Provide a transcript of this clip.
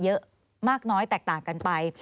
เยอะมากน้อยแตกต่างกันไป